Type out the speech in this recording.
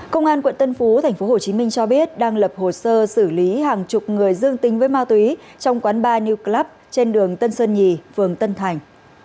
công an quận tân phú tp hcm cho biết đang lập hồ sơ xử lý hàng chục người dương tính với ma túy trong quán bar new club trên đường tân sơn nhì phường tân thành